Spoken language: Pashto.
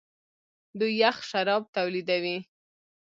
دوی یخ شراب تولیدوي.